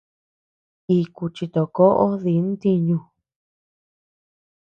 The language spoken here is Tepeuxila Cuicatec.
Iku chitokoʼo di ntiñu.